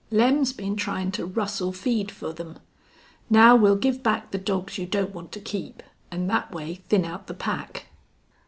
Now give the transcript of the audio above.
Lem's been tryin' to rustle feed fer them. Now we'll give back the dogs you don't want to keep, an' thet way thin out the pack."